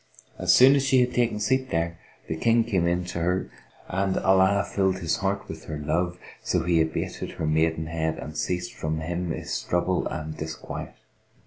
As soon as she had taken seat there, the King came in to her and Allah filled his heart with her love so he abated her maidenhead and ceased from him his trouble and disquiet.